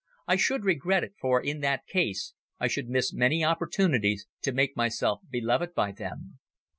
I should regret it, for in that case, I should miss many opportunities to make myself beloved by them.